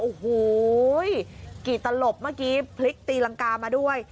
โอ้โหกี่ตลบเมื่อกี้พลิกตีรังกามาด้วย